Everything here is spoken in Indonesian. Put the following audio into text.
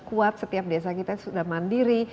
kuat setiap desa kita sudah mandiri